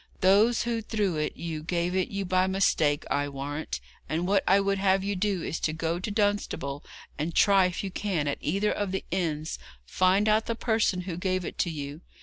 Those who threw it you gave it you by mistake, I warrant, and what I would have you do is to go to Dunstable, and try if you can at either of the inns find out the person who gave it to you.